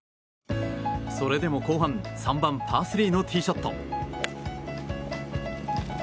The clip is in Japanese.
それでも後半、３番、パー３のティーショット。